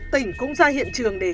tỉnh cũng ra hiện trường để tìm lửa